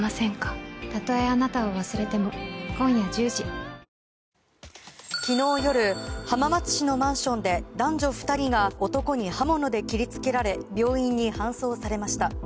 お申込みは昨日夜浜松市のマンションで男女２人が男に刃物で切り付けられ病院に搬送されました。